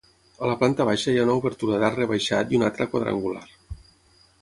A la planta baixa hi ha una obertura d'arc rebaixat i una altra quadrangular.